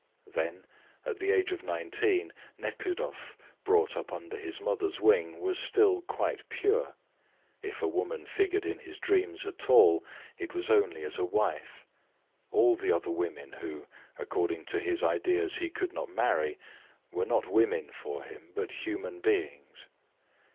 Then, at the age of nineteen, Nekhludoff, brought up under his mother's wing, was still quite pure. If a woman figured in his dreams at all it was only as a wife. All the other women, who, according to his ideas he could not marry, were not women for him, but human beings.